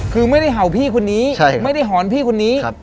คือไม่ได้เห่าพี่คนนี้ไม่ได้หอนพี่คนนี้